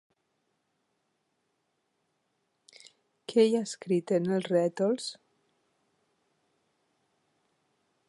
Què hi ha escrit en els rètols?